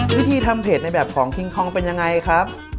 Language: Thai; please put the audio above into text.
วิธีทำเผ็ดในแบบของคิงคองเป็นยังไงครับ